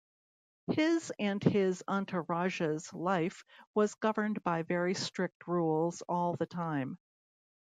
His and his entourage's life was governed by very strict rules all the time.